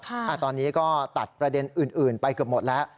ตอนนี้ก็ตัดประเด็นอื่นไปเกือบหมดแล้ว